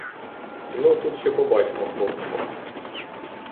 Ну, тут ще побачимо: хто кого?